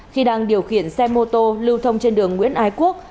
khi đang điều khiển xe mô tô lưu thông trên đường nguyễn ái quốc